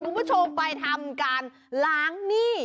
คุณผู้ชมไปทำการล้างหนี้